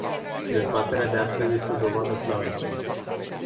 Dezbaterea de astăzi este o dovadă clară.